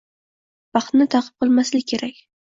Baxtni ta'qib qilmaslik kerak.